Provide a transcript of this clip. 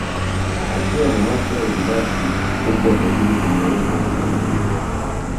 Akiwa na maslahi binafsi huku wakazidi kumlaumu kwa kufanya hivyo